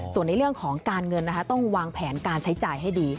ส่วนในเรื่องของการเงินนะคะต้องวางแผนการใช้จ่ายให้ดี